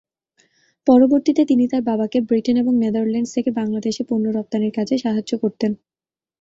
পরবর্তীতে তিনি তার বাবাকে ব্রিটেন এবং নেদারল্যান্ডস থেকে বাংলাদেশে পণ্য রপ্তানির কাজে সাহায্য করতেন।